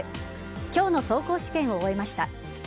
今日の走行試験を終えました。